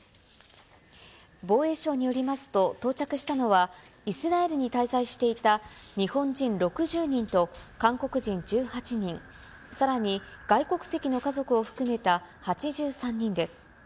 防衛省によりますと、到着したのは、イスラエルに滞在していた日本人６０人と韓国人１８人、さらに外国籍の家族を含めた８３人です。